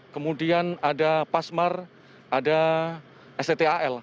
kemudian ada pasmar ada stt al